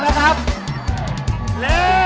เร็วเร็วเร็ว